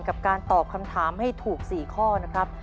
กับการตอบคำถามให้ถูก๔ข้อนะครับ